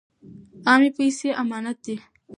عامې پیسې امانت دي.